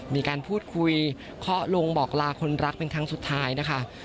มีการพูดคุยเคาะลงบอกลาคนรักเป็นครั้งสุดท้ายนะคะ